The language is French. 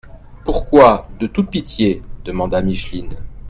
—«Pourquoi «de toute pitié»? demanda Micheline.